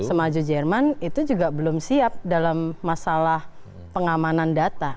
semaju jerman itu juga belum siap dalam masalah pengamanan data